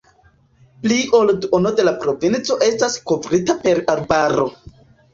Pli ol duono de la provinco estas kovrita per arbaro.